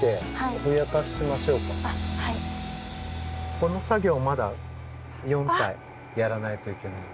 この作業まだ４体やらないといけない。